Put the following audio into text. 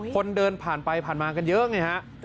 คนเดินผ่านไปผ่านมากันเยอะไงฮะ